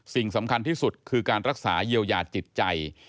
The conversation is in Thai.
สิ่งสำคัญที่สุดคือการรักษาเยียวยาจิตใจ